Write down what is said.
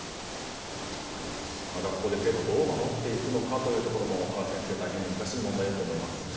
学校で生徒をどう守っていくかも原先生、大変難しい問題だと思います。